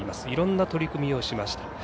いろんな取り組みをしました。